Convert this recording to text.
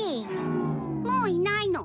もういないの。